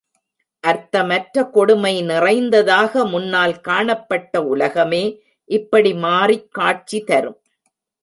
அர்த்தமற்ற கொடுமை நிறைந்ததாக முன்னால் காணப்பட்ட உலகமே இப்படி மாறிக் காட்சி தரும்.